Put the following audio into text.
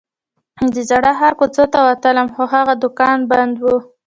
د زاړه ښار کوڅو ته ووتلم خو هغه دوکان بند و.